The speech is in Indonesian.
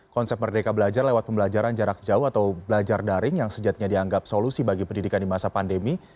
konsep merdeka belajar lewat pembelajaran jarak jauh atau belajar daring yang sejatinya dianggap solusi bagi pendidikan di masa pandemi